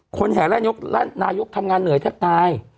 คนแหล่นนายกรัฐมนตร์ทำงานเหนื่อยแทบตาย